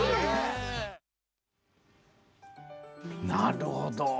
なるほど。